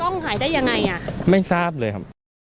หายได้ยังไงอ่ะไม่ทราบเลยครับ